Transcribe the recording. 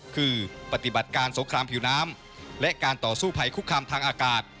คือปฏิบัติการสงครามผิวน้ำและการต่อสู้ภัยคุกคามทางอากาศ